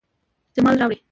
جمال راوړي